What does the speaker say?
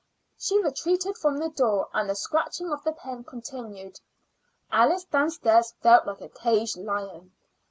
She retreated from the door, and the scratching of the pen continued. Alice downstairs felt like a caged lion.